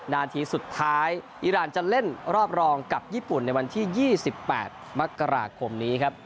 นาทีสุดท้ายอีรานจะเล่นรอบรองกับญี่ปุ่นในวันที่๒๘มกราคมนี้ครับ